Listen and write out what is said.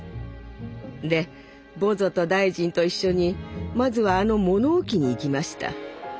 でボゾと大臣と一緒にまずはあの物置に行きました。